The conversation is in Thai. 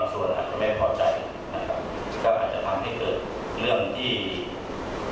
ค่ะแล้วก็พร้อมรู้สึกกับอาจารย์คือยังขอรบอาจารย์เหมือนเดิม